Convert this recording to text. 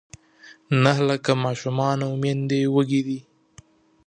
نهه لاکه ماشومان او میندې وږې دي.